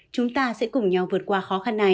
chúng ta sẽ cùng nhau vượt qua khó khăn này